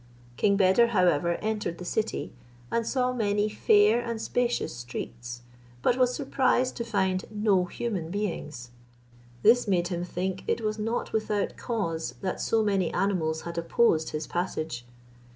King Beder, however, entered the city, and saw many fair and spacious streets, but was surprised to find no human beings. This made him think it was not without cause that so many animals had opposed his passage.